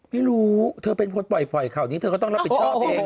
ไม่รู้เธอเป็นคนปล่อยข่าวนี้เธอก็ต้องรับผิดชอบเอง